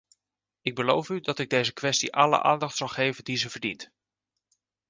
Ik beloof u dat ik deze kwestie alle aandacht zal geven die ze verdient.